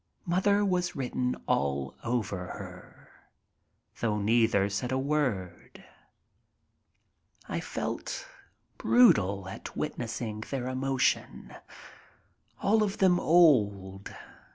Mother was written all over her, though neither said a word. I felt brutal at witnessing their emotion. All of them old.